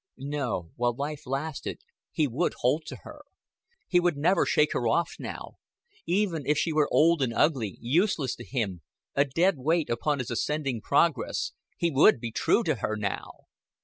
No, while life lasted, he would hold to her. He would never shake her off now. Even if she were old and ugly, useless to him, a dead weight upon his ascending progress, he would be true to her now.